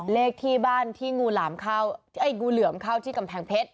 เลขที่บ้านที่งูเหลื่อมเข้าที่กำแพงเพชร